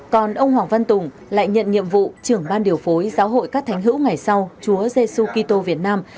còn ông hoàng văn tùng lại nhận nhiệm vụ trưởng ban điều phối giáo hội các thánh hữu ngày sau chúa giê xu kỳ tô việt nam